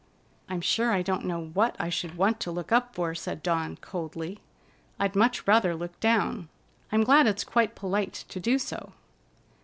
"I'm sure I don't know what I should want to look up for," said Dawn coldly. "I'd much rather look down. I'm glad it's quite polite to do so."